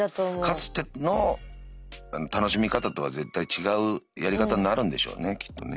かつての楽しみ方とは絶対違うやり方になるんでしょうねきっとね。